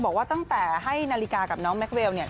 บอกว่าตั้งแต่ให้นาฬิกากับน้องแม็กเวลเนี่ย